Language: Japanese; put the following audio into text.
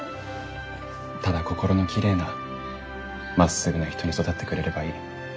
ただ心のきれいなまっすぐな人に育ってくれればいい。